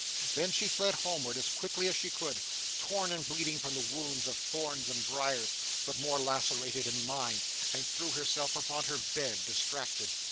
Then she fled homeward as quickly as she could, torn and bleeding from the wounds of thorns and briars, but more lacerated in mind, and threw herself upon her bed, distracted.